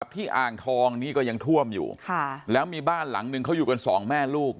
อ่างทองนี้ก็ยังท่วมอยู่แล้วมีบ้านหลังนึงเขาอยู่กันสองแม่ลูก